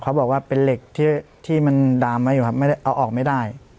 เขาบอกว่าเป็นเหล็กที่มันดามไว้อยู่ครับไม่ได้เอาออกไม่ได้